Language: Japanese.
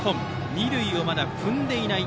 二塁をまだ踏んでいない。